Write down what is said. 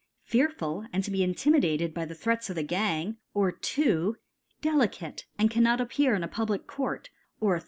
Fearful, and to be intimidated by the Threats of the Gang ; or, 2. Delicace, and cannot appear in a pub lic Court ; or, 3.